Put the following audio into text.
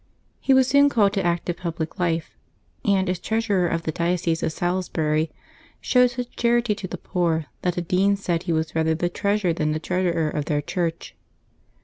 He was soon called to active public life, and as treasurer of the diocese of Salisbury showed such charity to the poor that the dean said he was rather the treasure than the treasurer of their church.